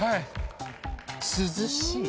「涼しい」？